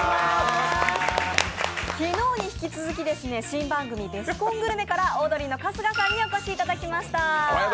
昨日に引き続き、新番組「ベスコングルメ」からオードリーの春日さんにお越しいただきました。